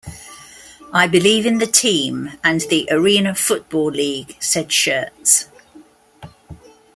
I believe in the team and the Arena Football League, said Shurts.